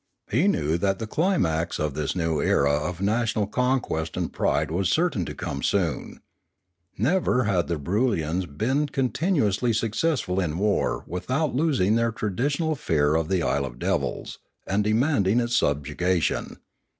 He knew that the climax of this new era of national con quest and pride was certain to come soon. Never had the Broolyians been continuously successful in war without losing their traditional fear of the isle of devils, and demanding its subjugation.